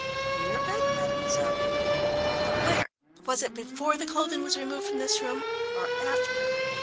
"In your bed, mademoiselle." "But where? Was it before the clothing was removed from this room or after?"